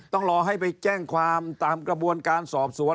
ต้องรอให้ไปแจ้งความตามกระบวนการสอบสวน